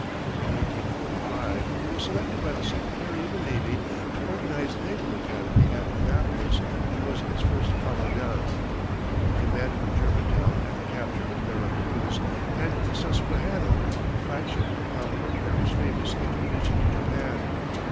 In 1845, he was selected by the secretary of the navy to organize the naval academy at Annapolis, and was its first commandant. He commanded the Germantown at the capture of Vera Cruz, and the Susquehanna, the flagship of Commodore Perry's famous expedition to Japan.